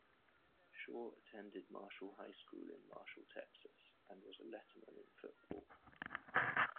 Shaw attended Marshall High School in Marshall, Texas and was a letterman in football.